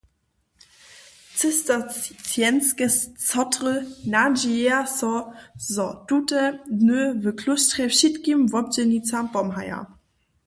Cistercienske sotry nadźijeja so, zo tute dny w klóštrje wšitkim wobdźělnicam pomhaja.